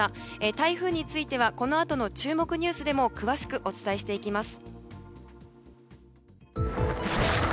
台風についてはこのあとの注目ニュースでも詳しくお伝えしていきます。